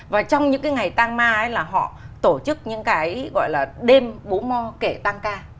và trong những cái ngày tang ma ấy là họ tổ chức những cái gọi là đêm bố mò kể tang ca